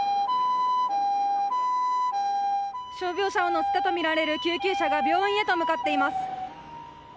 傷病者を乗せたとみられる救急車が病院へと向かっています。